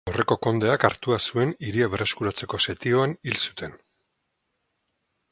Aurreko kondeak hartua zuen hiria berreskuratzeko setioan hil zuten.